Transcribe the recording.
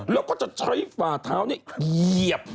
แล้วก็จะใช้ฟาเท้านี้เหยียบ